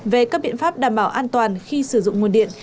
về các biện pháp đảm bảo an toàn khi sử dụng nguồn điện